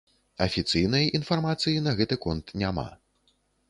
Афіцыйнай інфармацыі на гэты конт няма.